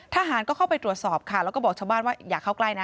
ทหารก็เข้าไปตรวจสอบค่ะแล้วก็บอกชาวบ้านว่าอย่าเข้าใกล้นะ